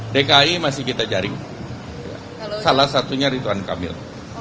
dki masih kita jaring salah satunya ridwan kamil